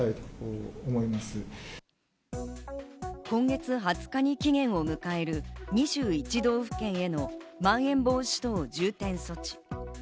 今月２０日に期限を迎える、２１道府県へのまん延防止等重点措置。